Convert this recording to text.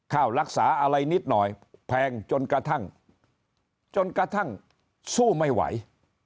ค่ารักษาอะไรนิดหน่อยแพงจนกระทั่งจนกระทั่งสู้ไม่ไหว